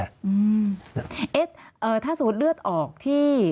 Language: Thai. เอ๊ะถ้าสมมุติเลือดออกที่